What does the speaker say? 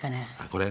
これ？